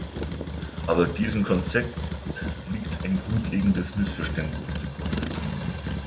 Aber diesem Konzept liegt ein grundlegendes Missverständnis zugrunde.